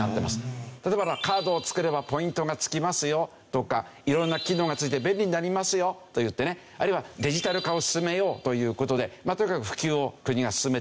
例えばカードを作ればポイントが付きますよとか色んな機能が付いて便利になりますよといってねあるいはデジタル化を進めようという事でとにかく普及を国が進めてきた。